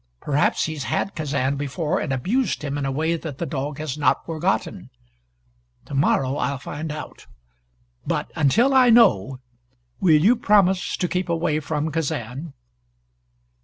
Perhaps he's had Kazan before and abused him in a way that the dog has not forgotten. To morrow I'll find out. But until I know will you promise to keep away from Kazan?"